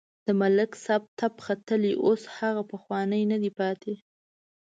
د ملک صاحب تپ ختلی اوس هغه پخوانی نه دی پاتې.